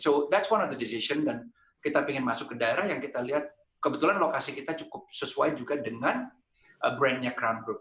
so that's one of the decision dan kita pengen masuk ke daerah yang kita lihat kebetulan lokasi kita cukup sesuai juga dengan brand nya crown group